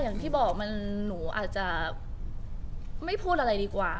อย่างที่บอกหนูอาจจะไม่พูดอะไรดีกว่า